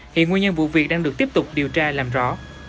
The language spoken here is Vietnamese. hiện nguyên nhân vụ việc đang được tiếp tục điều tra làm rõ